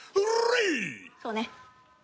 そうね。